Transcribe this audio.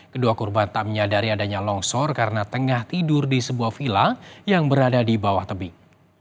kedua korban tak menyadari adanya longsor karena tengah tidur di sebuah vila yang berada di bawah tebing